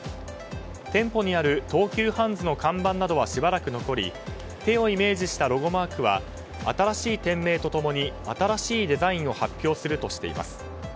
店舗にある東急ハンズの看板などはしばらく残り手をイメージしたロゴマークは新しい店名と共に新しいデザインを発表するとしています。